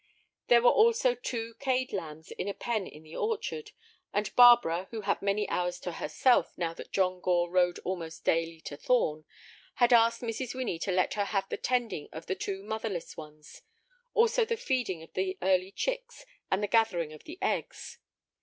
There were also two cade lambs in a pen in the orchard, and Barbara, who had many hours to herself now that John Gore rode almost daily to Thorn, had asked Mrs. Winnie to let her have the tending of the two motherless ones, also the feeding of the early chicks and the gathering of the eggs.